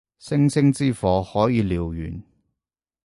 星星之火可以燎原